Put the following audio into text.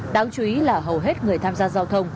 đáng chú ý là hầu hết người tham gia giao thông